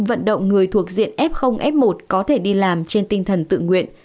vận động người thuộc diện f f một có thể đi làm trên tinh thần tự nguyện